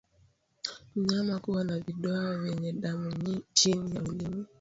Mnyama kuwa na vidoa vyenye damu chini ya ulimi